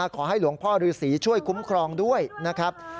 ขอให้หลวงพ่อฤษีช่วยคุ้มครองด้วยนะครับ